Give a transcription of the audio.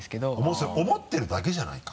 それ思ってるだけじゃないか？